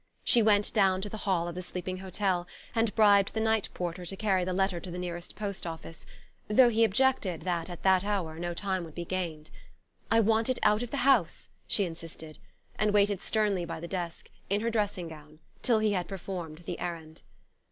She went down to the hall of the sleeping hotel, and bribed the night porter to carry the letter to the nearest post office, though he objected that, at that hour, no time would be gained. "I want it out of the house," she insisted: and waited sternly by the desk, in her dressing gown, till he had performed the errand.